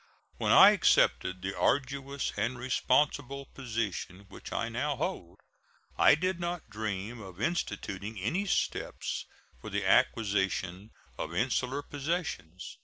When I accepted the arduous and responsible position which I now hold, I did not dream of instituting any steps for the acquisition of insular possessions.